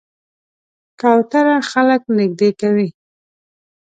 کوتره خلک نږدې کوي.